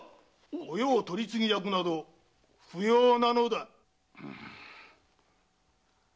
御用取次役など不要なのだ。